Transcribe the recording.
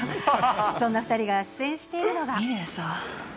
そんな２人が出演しているのが。